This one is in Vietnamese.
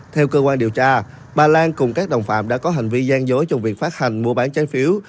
theo cơ quan điều tra bà lan cùng các đồng phạm đã có hành vi gian dối trong việc phát hành mua bán trái phiếu